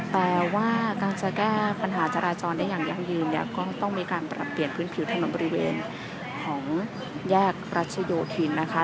แต่ว่าการจะแก้ปัญหาจราจรได้อย่างยั่งยืนเนี่ยก็ต้องมีการปรับเปลี่ยนพื้นผิวถนนบริเวณของแยกรัชโยธินนะคะ